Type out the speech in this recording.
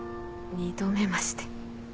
二度目まして。